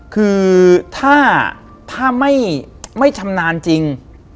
คือถ้าไม่ชำนาญจริง